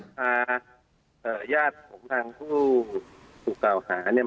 ค่ะญาติผมทางผู้สูตรราวหาเนี่ย